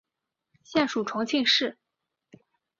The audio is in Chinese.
现属重庆市。